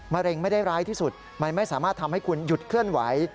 เร็งไม่ได้ร้ายที่สุดมันไม่สามารถทำให้คุณหยุดเคลื่อนไหว